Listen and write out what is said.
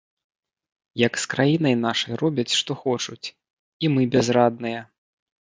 Як з краінай нашай робяць што хочуць, і мы бязрадныя.